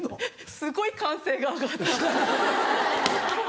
すごい歓声が上がった。